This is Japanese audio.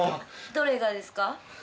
どれがですか？